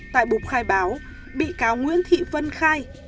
tại bục khai báo bị cáo nguyễn thị vân khai